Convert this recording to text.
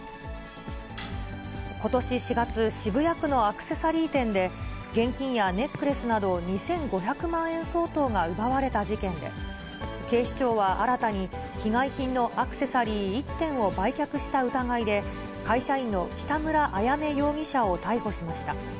ことし４月、渋谷区のアクセサリー店で、現金やネックレスなど２５００万円相当が奪われた事件で、警視庁は新たに被害品のアクセサリー１点を売却した疑いで、会社員の北村あやめ容疑者を逮捕しました。